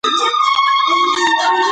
د ملکیار شعر ځانګړی رنګ او خوند لري.